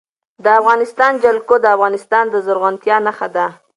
د افغانستان جلکو د افغانستان د زرغونتیا نښه ده.